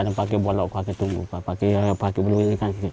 kadang pakai bolok pakai tumbuh pakai belung ini pakai buku di bawah